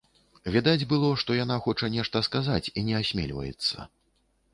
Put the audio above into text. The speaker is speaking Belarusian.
Відаць было, што яна хоча нешта сказаць і не асмельваецца.